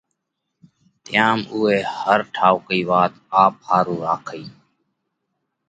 تيام اُوئي هر ٺائُوڪئِي وات آپ ۿارُو راکئِي